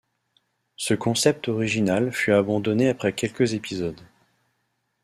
Ce concept original fut abandonné après quelques épisodes.